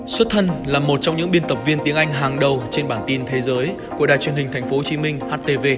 xuất thân là một trong những biên tập viên tiếng anh hàng đầu trên bản tin thế giới của đài truyền hình thành phố hồ chí minh